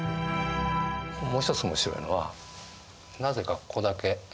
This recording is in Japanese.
もう一つ面白いのはなぜかここだけ。